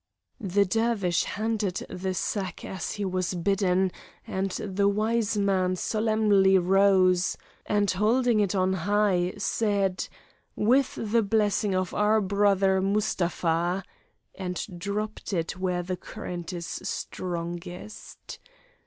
The Dervish handed the sack as he was bidden, and the wise man solemnly rose, and holding it on high, said: "With the blessing of our brother Mustapha," and dropped it where the current is strongest.